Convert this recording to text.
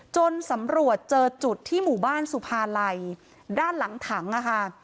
จนสำรวจเจอจุดที่หมู่บ้านสุภาลัยด้านหลังถังนะคะ